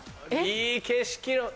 いい景色のあれ？